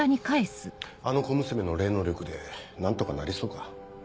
あの小娘の霊能力で何とかなりそうか？